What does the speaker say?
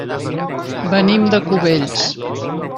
Venim de Cubells.